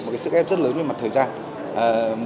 một sự ép rất lớn về mặt thời gian